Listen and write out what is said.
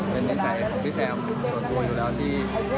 ชอบช่วยพี่แซมส่วนตัวอยู่แล้วที่